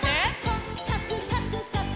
「こっかくかくかく」